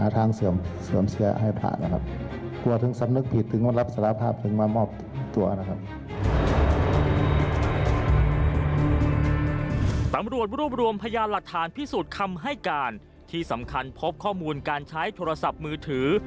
ตำรวจรวบรวมพยานหลักฐานพิสูจน์คำให้การที่สำคัญพบข้อมูลการใช้โทรศัพท์มือถือ